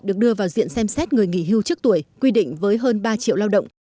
được đưa vào diện xem xét người nghỉ hưu trước tuổi quy định với hơn ba triệu lao động